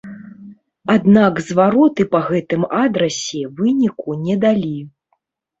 Аднак звароты па гэтым адрасе выніку не далі.